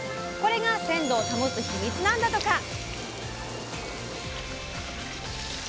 これが鮮度を保つヒミツなんだとか。